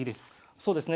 そうですね。